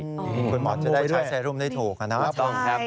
คุณหมอจะได้ใช้แซรุมได้ถูกนะครับ